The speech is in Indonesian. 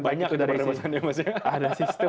banyak dari sistem